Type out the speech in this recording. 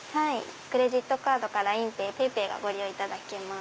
クレジットカードかＬＩＮＥＰａｙＰａｙＰａｙがご利用いただけます。